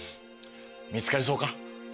見つかりそうか？